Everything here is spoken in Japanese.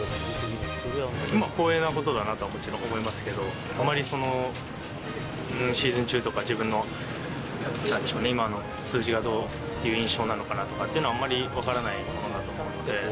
光栄なことだなと、もちろん思いますけど、あまりシーズン中とか、自分の今の数字がどうっていう印象なのかっていうのは、あまり分からないものだと思うので。